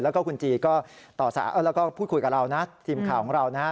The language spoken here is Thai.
แล้วก็คุณจีก็พูดคุยกับเรานะทีมข่าวของเรานะ